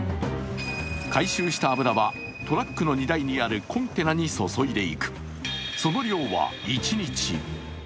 回収した油はトラックの荷台にあるコンテナに注いでいく。